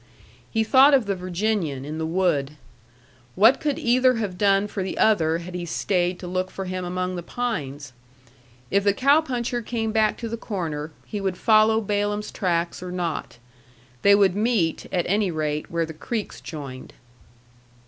He thought of the Virginian in the wood. But what could either have done for the other had he stayed to look for him among the pines? If the cow puncher came back to the corner, he would follow Balaam's tracks or not. They would meet, at any rate, where the creeks joined.